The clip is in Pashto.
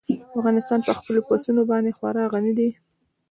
افغانستان په خپلو پسونو باندې خورا غني هېواد دی.